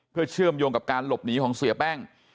เพื่อเชื่อมโยงกับการหลบหนีของเสียแป้ง